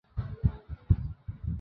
তোকে নিরাপদ স্থানে নিয়ে যাবো আমরা।